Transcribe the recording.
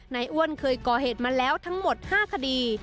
อ้วนเคยก่อเหตุมาแล้วทั้งหมด๕คดี